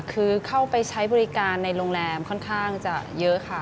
คือเข้าไปใช้บริการในโรงแรมค่อนข้างจะเยอะค่ะ